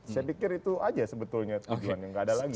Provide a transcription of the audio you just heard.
saya pikir itu aja sebetulnya tujuan yang nggak ada lagi